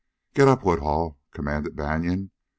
"Get up, Woodhull!" commanded Banion.